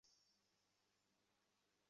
বিষয়টা ভেবে দেখেছি, খোকা।